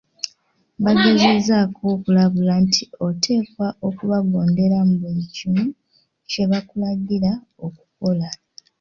Bagezaako okukulabula nti oteekwa okubagondera mu buli kimu kye bakulagira okukola.